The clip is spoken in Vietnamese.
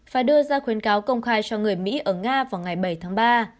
và đưa ra khuyến cáo công khai cho người mỹ ở nga vào ngày bảy tháng ba